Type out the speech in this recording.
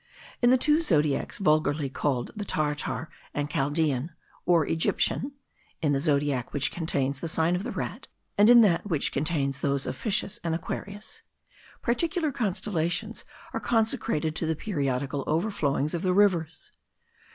In the two zodiacs vulgarly called the Tartar and Chaldean, or Egyptian (in the zodiac which contains the sign of the Rat, an in that which contains those of the Fishes and Aquarius), particular constellations are consecrated to the periodical overflowings of the rivers.